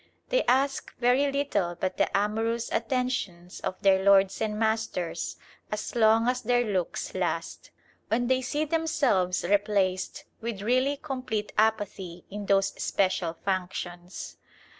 They ask very little but the amorous attentions of their lords and masters, as long as their looks last; when they see themselves replaced with really complete apathy in those special functions.